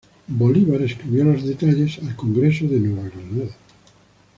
Bolívar escribió los detalles al Congreso de Nueva Granada.